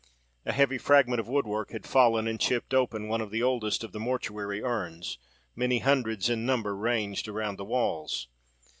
A heavy fragment of woodwork had fallen and chipped open one of the oldest of the mortuary urns, many hundreds in number ranged around the walls.